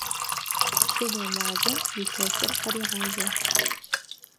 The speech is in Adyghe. Щылэ мазэм илъэсыр къырегъажьэ.